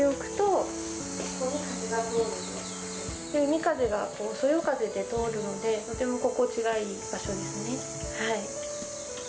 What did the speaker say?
海風がそよかぜで通るのでとても心地がいい場所ですね。